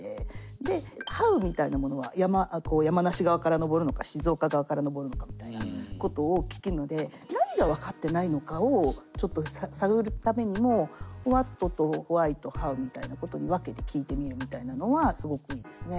でＨｏｗみたいなものは山梨側から登るのか静岡側から登るのかみたいなことを聞けるので何が分かってないのかをちょっと探るためにもＷｈａｔとＷｈｙとＨｏｗみたいなことに分けて聞いてみるみたいなのはすごくいいですね。